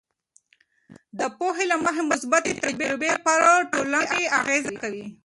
د پوهې له مخې، مثبتې تجربې پر ټولنې اغیز کوي.